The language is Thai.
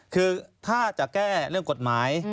คือถ้าจะแก้เรื่องกฎหมาย